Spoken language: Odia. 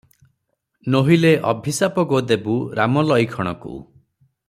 ନୋହିଲେ ଅଭିଶାପ ଗୋ ଦେବୁ ରାମ ଲଇକ୍ଷଣକୁ ।'